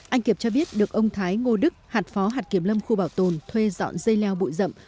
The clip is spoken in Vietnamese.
anh kiệp cho biết được ông thái ngô đức hạt phó hạt kiểm lâm khu bảo tồn thuê dọn dây leo bụi rậm